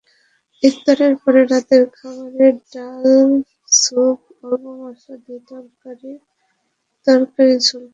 ইফতারের পরে রাতের খাবারে ডাল, স্যুপ, অল্প মসলা দিয়ে তরকারি, তরকারির ঝোল খান।